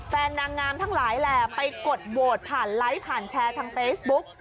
นางงามทั้งหลายแหล่ไปกดโหวตผ่านไลค์ผ่านแชร์ทางเฟซบุ๊ก